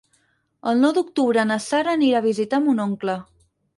El nou d'octubre na Sara anirà a visitar mon oncle.